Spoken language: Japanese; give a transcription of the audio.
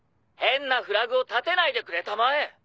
変なフラグを立てないでくれたまえ！